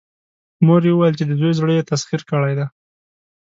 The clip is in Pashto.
مور يې وويل چې د زوی زړه يې تسخير کړی دی.